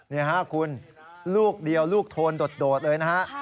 นี่ค่ะคุณลูกเดียวลูกโทนโดดเลยนะฮะ